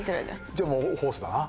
じゃあもうホースだな。